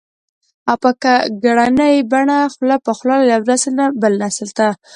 او په ګړنۍ بڼه خوله په خوله له يوه نسل نه بل نسل ته